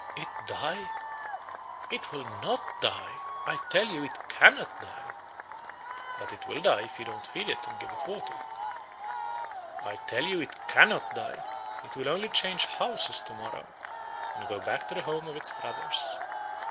It die? It will not die; I tell you, it cannot die.' "'But it will die if you don't feed it and give it water.' "'I tell you it cannot die; it will only change houses to morrow, and go back to the home of its brothers.